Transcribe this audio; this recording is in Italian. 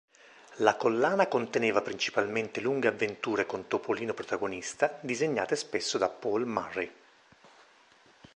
La collana conteneva principalmente lunghe avventure con Topolino protagonista, disegnate spesso da Paul Murry.